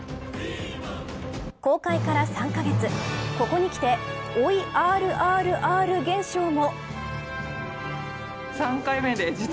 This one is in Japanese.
公開から３カ月ここにきて、追いＲＲＲ現象も。